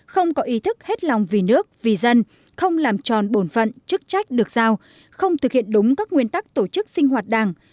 không có ý thức hết lòng vì nước vì dân không làm tròn bổn phận chức trách được giao không thực hiện đúng các nguyên tắc tổ chức sinh hoạt đảng